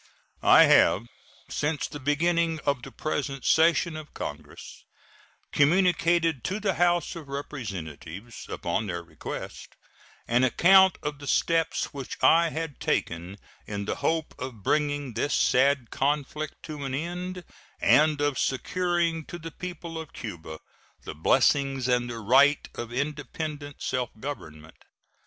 I have, since the beginning of the present session of Congress, communicated to the House of Representatives, upon their request, an account of the steps which I had taken in the hope of bringing this sad conflict to an end and of securing to the people of Cuba the blessings and the right of independent self government.